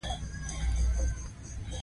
غازیان د خپل دین او وطن لپاره جګړه کوي.